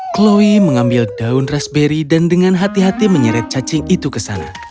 chloe mengambil daun raspberry dan dengan hati hati menyeret cacing itu ke sana